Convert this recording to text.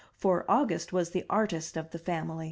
For August was the artist of the family.